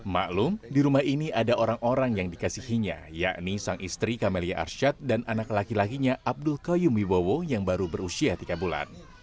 maklum di rumah ini ada orang orang yang dikasihinya yakni sang istri kamelia arsyad dan anak laki lakinya abdul kauyum wibowo yang baru berusia tiga bulan